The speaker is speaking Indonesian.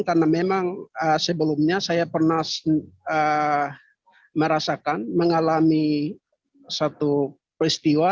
karena memang sebelumnya saya pernah merasakan mengalami satu peristiwa